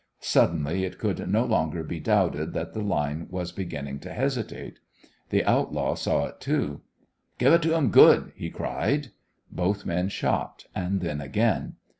Suddenly it could no longer be doubted that the line was beginning to hesitate. The outlaw saw it, too. "Give it to 'em good!" he cried. Both men shot, and then again.